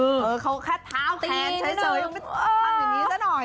เขาแค่เท้าแขนใช้เสริมทำอย่างนี้ซะหน่อย